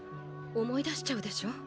思い出しちゃうでしょう。